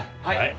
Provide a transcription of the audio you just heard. はい。